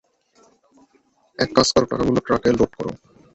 এক কাজ কর, টাকা গুলো ট্রাকে লোড করো।